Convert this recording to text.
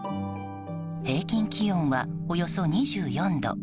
平均気温は、およそ２４度。